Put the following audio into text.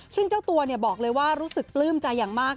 ซึ่งเจ้าตัวบอกเลยว่ารู้สึกปลื้มใจอย่างมาก